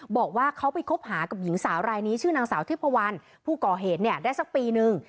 บอกว่าเขาไปคบหากับหญิงสาวรายนี้ชื่อนางสาวทิพวันผู้ก่อเหตุเนี่ยได้สักปีนึง